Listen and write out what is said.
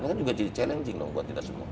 ini kan juga jadi challenging dong buat kita semua